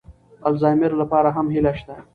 الزایمر لپاره هم هیله شته.